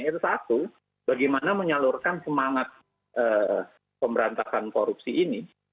yaitu satu bagaimana menyalurkan semangat pemberantasan korupsi ini